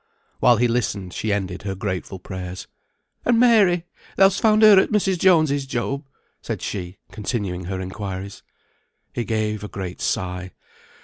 While he listened, she ended her grateful prayers. "And Mary? Thou'st found her at Mrs. Jones's, Job?" said she, continuing her inquiries. He gave a great sigh.